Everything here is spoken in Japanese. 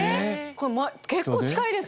これ結構近いです。